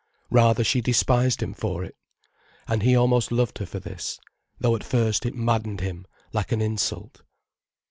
Rather she despised him for it. And he almost loved her for this, though at first it maddened him like an insult.